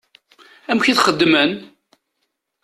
Amek i t-xeddmen?